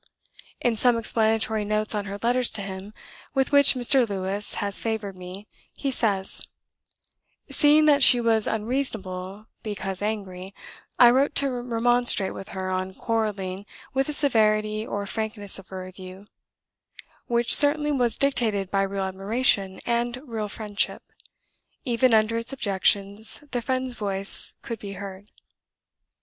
In some explanatory notes on her letters to him, with which Mr. Lewes has favoured me, he says: "Seeing that she was unreasonable because angry, I wrote to remonstrate with her on quarrelling with the severity or frankness of a review, which certainly was dictated by real admiration and real friendship; even under its objections the friend's voice could be heard."